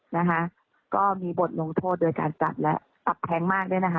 นะคะก็มีบทลงโทษโดยการตัดและปรับแพงมากด้วยนะคะ